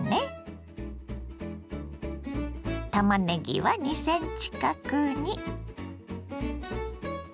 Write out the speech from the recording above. たまねぎは２ｃｍ角に。